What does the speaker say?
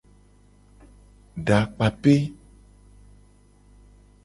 Dakpape.